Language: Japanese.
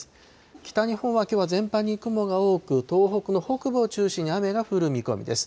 北日本はきょうは全般に雲が多く、東北の北部を中心に雨が降る見込みです。